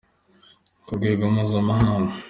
ku rwego mpuzamahanga.